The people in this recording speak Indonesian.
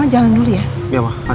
hari ini sih tidak ada